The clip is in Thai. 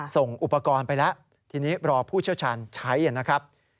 ส่งอุปกรณ์ไปแล้วทีนี้รอผู้เชี่ยวชาญใช้นะครับ